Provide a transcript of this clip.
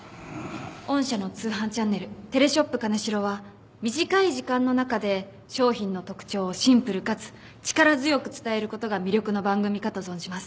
御社の通販チャンネル『テレショップ金城』は短い時間の中で商品の特徴をシンプルかつ力強く伝えることが魅力の番組かと存じます。